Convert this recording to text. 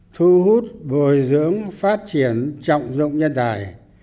thu hút bồi dưỡng phát triển trọng dụng nhân tài